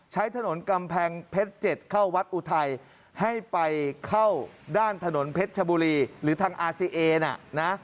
ใช้ถนนกำแพงเพชร๗เข้าวัดอุทัยให้ไปเข้าด้านถนนเพชรชบุรีหรือทางอาซีเอน่ะนะ